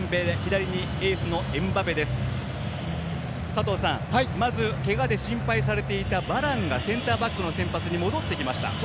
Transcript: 佐藤さん、まずけがで心配されていたバランがセンターバックの先発に戻ってきました。